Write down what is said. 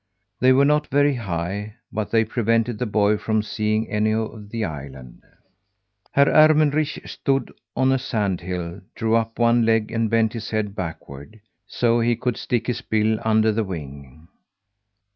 They were not very high, but they prevented the boy from seeing any of the island. Herr Ermenrich stood on a sand hill, drew up one leg and bent his head backward, so he could stick his bill under the wing.